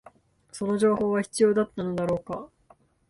その情報は必要だったのだろうか